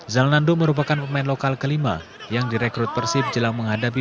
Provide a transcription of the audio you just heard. zalnando merupakan pemain lokal kelima yang direkrut persib jelang menghadapi